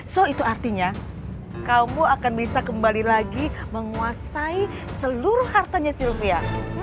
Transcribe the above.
so itu artinya kamu akan bisa kembali lagi menguasai seluruh hartanya sylvia